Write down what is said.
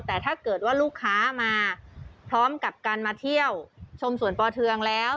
แต่ถ้าเกิดว่าลูกค้ามาพร้อมกับการมาเที่ยวชมสวนปอเทืองแล้ว